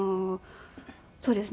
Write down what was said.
そうですね。